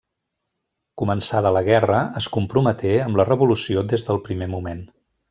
Començada la guerra, es comprometé amb la revolució des del primer moment.